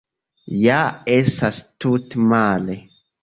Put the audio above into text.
Ja estas tute male.